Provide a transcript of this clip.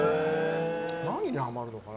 何にハマるのかな。